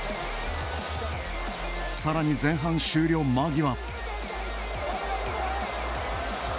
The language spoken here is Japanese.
さらに前半終了間際。